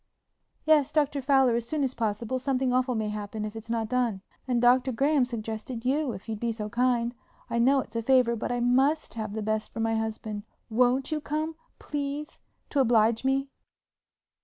"Yes, Dr. Fowler, as soon as possible; something awful may happen if it's not done. And Dr. Graham suggested you if you'd be so kind. I know it's a favor but I must have the best for my husband. Won't you come? Please, to oblige me."